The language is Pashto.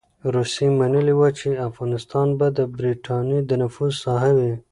روسيې منلې وه چې افغانستان به د برټانیې د نفوذ ساحه وي.